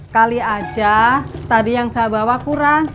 kali aja tadi yang saya bawa kurang